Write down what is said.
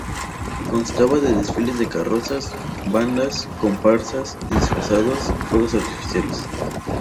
Constaba de desfiles de carrozas, bandas, comparsas, disfrazados, fuegos artificiales.